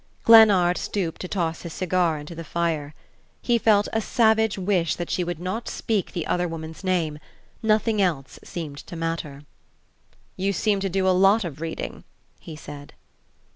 Glennard stooped to toss his cigar into the fire. He felt a savage wish that she would not speak the other woman's name; nothing else seemed to matter. "You seem to do a lot of reading," he said.